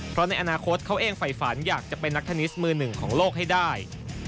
เพราะในอนาคตเขาเองฝ่ายฝันอยากจะเป็นนักเทนนิสมือหนึ่งของโลกให้ได้